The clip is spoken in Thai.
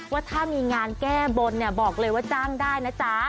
ว่าถ้ามีงานแก้บนเนี่ยบอกเลยว่าจ้างได้นะจ๊ะ